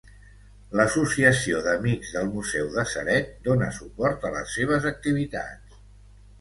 L'associació d'Amics del Museu de Ceret dóna suport a les seves activitats.